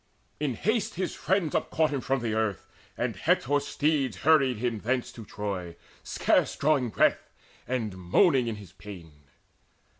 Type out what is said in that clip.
In haste his friends Upcaught him from the earth, and Hector's steeds Hurried him thence to Troy, scarce drawing breath, And moaning in his pain.